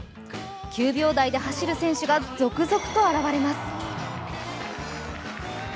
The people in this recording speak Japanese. ９秒台で走る選手が続々と現れます。